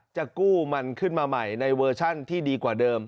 จะกู้มันขึ้นมาใหม่ในเวอร์ชันที่ดีกว่าเดิม